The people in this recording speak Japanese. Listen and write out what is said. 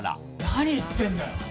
何言ってんだよ。